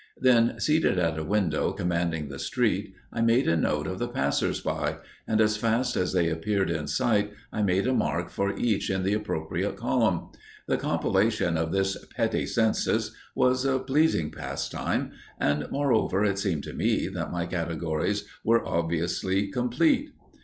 Then, seated at a window commanding the street, I made note of the passers by, and as fast as they appeared in sight I made a mark for each in the appropriate column. The compilation of this petty census was a pleasing pastime, and, moreover, it seemed to me that my categories were obviously complete.